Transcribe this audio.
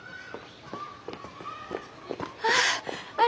ああ！